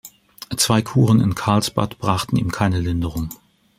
Zwei Kuren in Karlsbad brachten ihm keine Linderung.